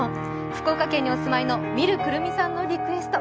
福岡県にお住まいのみるくるみさんのリクエスト。